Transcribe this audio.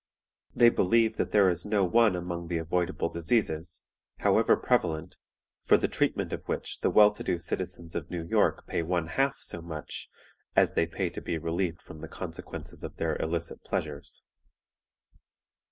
They believe that there is no one among the unavoidable diseases, however prevalent, for the treatment of which the well to do citizens of New York pay one half so much as they pay to be relieved from the consequences of their illicit pleasures.